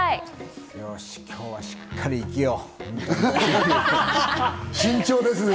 よし、今日はしっかり生きよ慎重ですね。